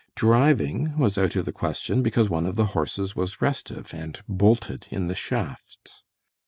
Driving was out of the question, because one of the horses was restive, and bolted in the shafts.